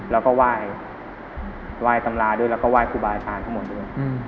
แล้วก็ไหว้ตำราด้วยแล้วก็ไหว้ครูบาอาจารย์ทั้งหมดด้วย